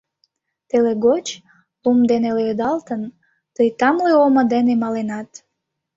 Теле гоч, лум дене леведалтын, тый тамле омо дене маленат.